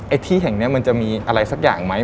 ที่แห่งนี้มันจะมีอะไรสักอย่างไหม